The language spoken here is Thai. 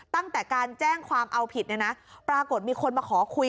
ตั้งแต่การแจ้งความเอาผิดเนี่ยนะปรากฏมีคนมาขอคุย